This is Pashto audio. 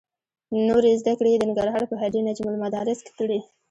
نورې زده کړې یې د ننګرهار په هډې نجم المدارس کې کړې.